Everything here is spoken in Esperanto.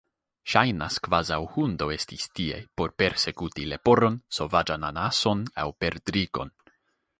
Ŝajnas kvazaŭ hundo estis tie por persekuti leporon, sovaĝan anason aŭ perdrikon.